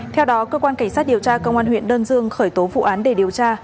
theo đó cơ quan cảnh sát điều tra công an huyện đơn dương khởi tố vụ án để điều tra